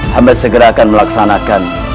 hamba segera akan melaksanakan